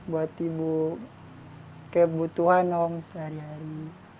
buat ibu kebutuhan om sehari hari